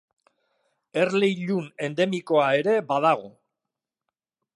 Erle ilun endemikoa ere badago.